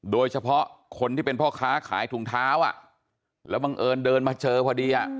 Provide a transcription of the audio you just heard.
โดยเฉพาะคนที่เป็นพ่อค้าขายถุงเท้าแล้วบังเอิญเดินมาเจอพอดี